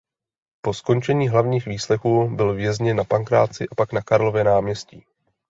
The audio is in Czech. Po skončení hlavních výslechů byl vězněn na Pankráci a pak na Karlově náměstí.